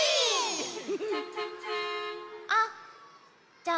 あっじゃあ